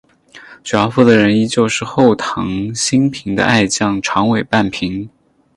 主要负责人依旧是后藤新平的爱将长尾半平。